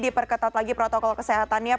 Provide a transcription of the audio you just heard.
diperketat lagi protokol kesehatannya